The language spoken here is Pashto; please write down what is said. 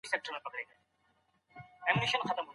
د حج دپاره تاسي باید خپلي پوهني ته ډېر پام وکړئ.